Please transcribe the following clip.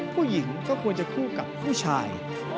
ผู้หญิงก็ควรจะคู่กับผู้ชาย